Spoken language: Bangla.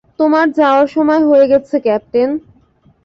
তোমার যাওয়ার সময় হয়ে গেছে, ক্যাপ্টেন।